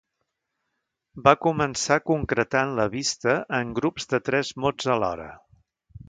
Va començar concentrant la vista en grups de tres mots alhora.